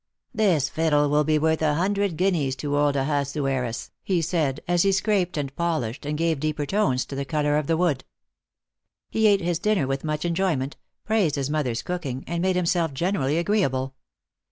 " This fiddle will be worth a hundred guineas to old Ahasuerus," he said, as he scraped and polished, and gave deeper tones to the colour of the wood. He ate his dinner with much enjoyment, praised his mother's cooking, and made himself generally agreeable.